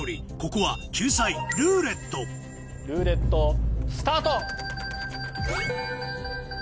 ここは救済「ルーレット」ルーレットスタート！